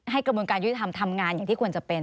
ให้กระบวนการยุทธรรมทำงานอย่างที่กวนเป็น